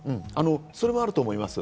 それもあると思います。